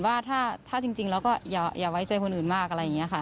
ว่าถ้าจริงแล้วก็อย่าไว้ใจคนอื่นมาก